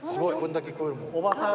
おばさん。